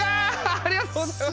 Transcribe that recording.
ありがとうございます。